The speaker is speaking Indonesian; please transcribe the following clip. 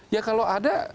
ya kalau ada